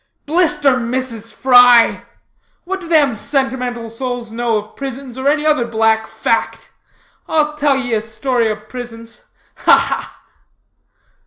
"Blister Mrs. Fry! What do them sentimental souls know of prisons or any other black fact? I'll tell ye a story of prisons. Ha, ha!"